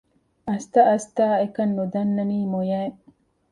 އަސްތަ އަސްތާ އެކަން ނުދަންނަނީ މޮޔައިން